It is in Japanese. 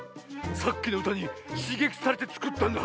さっきのうたにしげきされてつくったんだ。